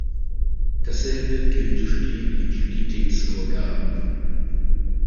Dasselbe gilt für die Liquiditätsvorgaben.